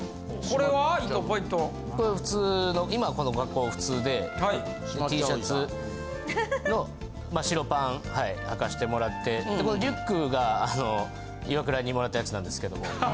これ普通の今この格好普通でＴシャツのまあ白パンはかしてもらってリュックがあのイワクラにもらったやつなんですけども。